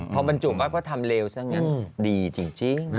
พอบรรจุปั๊บก็ทำเลวซะงั้นดีจริง